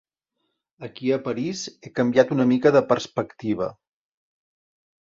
Aquí a París he canviat una mica de perspectiva.